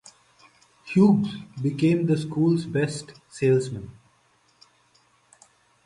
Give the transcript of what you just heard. Hughes became the school's best salesman.